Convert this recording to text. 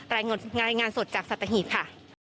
รายงานสดจากสัตหีบค่ะ